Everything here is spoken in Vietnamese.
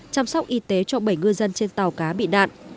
chăm sóc y tế cho bảy ngư dân trên tàu cá bị nạn